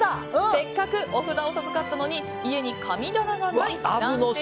せっかく、お札を授かったのに家に神棚がない！なんて